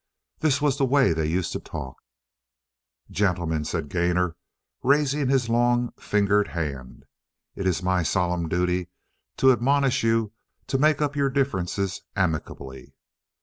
This was the way they used to talk!" "Gentlemen," said Gainor, raising his long fingered hand, "it is my solemn duty to admonish you to make up your differences amicably."